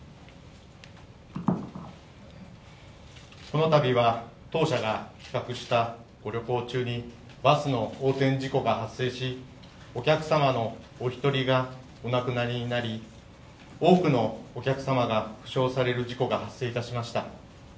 このたびは当社が企画したご旅行中にバスの横転事故が発生しお客様のお一人がお亡くなりになり、多くのお客様が負傷される事故が発生いたしました。